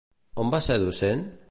On va ser docent?